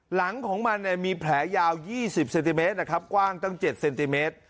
หลังของมันเนี่ยมีแผลยาวยี่สิบเซนติเมตรนะครับกว้างตั้งเจ็ดเซนติเมตร